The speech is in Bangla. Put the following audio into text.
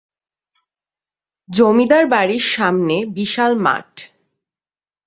জমিদার বাড়ির সামনে বিশাল মাঠ।